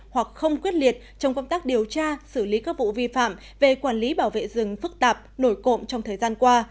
hoặc không quyết liệt trong công tác điều tra xử lý các vụ vi phạm về quản lý bảo vệ rừng phức tạp nổi cộng trong thời gian qua